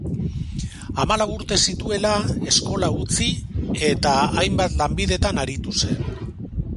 Hamalau urte zituela, eskola utzi, eta hainbat lanbidetan aritu zen.